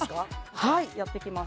はいやって来ます。